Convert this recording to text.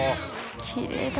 きれいだ。